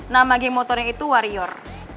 nama geng motornya itu warrior